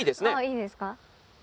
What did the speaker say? いいですか？